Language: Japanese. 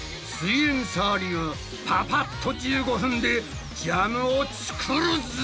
イエんサー流パパっと１５分でジャムを作るぞ！